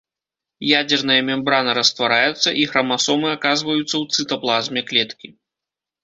Ядзерная мембрана раствараецца, і храмасомы аказваюцца ў цытаплазме клеткі.